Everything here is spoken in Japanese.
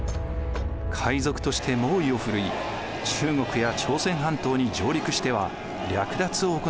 海賊として猛威をふるい中国や朝鮮半島に上陸しては略奪を行っていました。